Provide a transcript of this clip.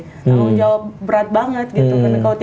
tanggung jawab berat banget gitu